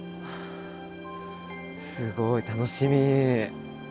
すごい楽しみ。